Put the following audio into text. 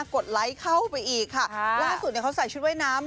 กดไลค์เข้าไปอีกค่ะค่ะล่าสุดเนี้ยเขาใส่ชุดเว้ยน้ำ